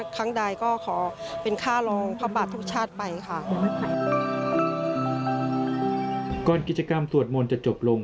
ก่อนกิจกรรมสวดมนต์จะจบลง